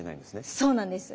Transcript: はいそうなんです。